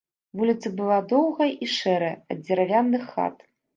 Вуліца была доўгая і шэрая ад дзеравяных хат.